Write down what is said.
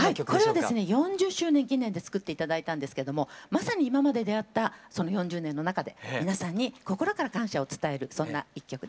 これはですね４０周年記念で作って頂いたんですけどもまさに今まで出会ったその４０年の中で皆さんに心から感謝を伝えるそんな一曲です。